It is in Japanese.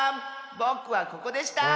ぼくはここでした！